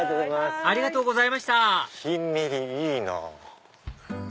ありがとうございましたヒンメリいいなぁ。